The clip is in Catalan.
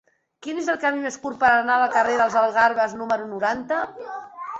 Quin és el camí més curt per anar al carrer dels Algarves número noranta?